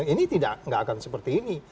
ini tidak akan seperti ini